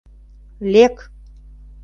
Лек!